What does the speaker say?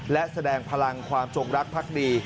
และแสดงพลังความจงรักพักดี